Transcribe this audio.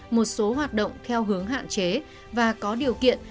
một số hoạt động theo hướng hạn chế và có điều kiện